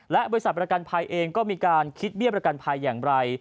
และบริษัทประกันภายรถยนต์เองก็มีการคิดเบี้ยประกันภายรถยนต์อย่างไร